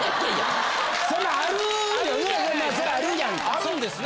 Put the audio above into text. あるんですね？